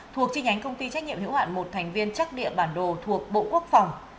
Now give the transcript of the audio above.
thuộc chi nhánh công ty trách nhiệm hữu hạn một thành viên trắc địa bản đồ thuộc bộ quốc phòng